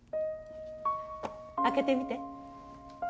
開けてみて。